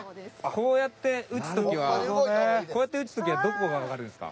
こうやって打つ時はこうやって打つ時はどこが上がるんですか？